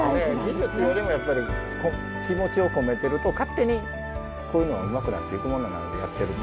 技術よりもやっぱり気持ちを込めてると勝手にこういうのはうまくなっていくものなのでやってると。